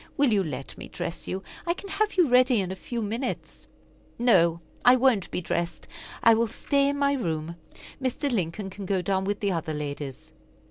Will you let me dress you? I can have you ready in a few minutes." "No, I won't be dressed. I will stay in my room. Mr. Lincoln can go down with the other ladies."